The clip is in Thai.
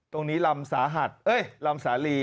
ตรงนี้ลำสาหัสเอ้ยลำสาลี